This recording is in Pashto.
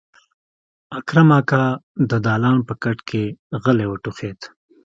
اکرم اکا د دالان په کټ کې غلی وټوخېد.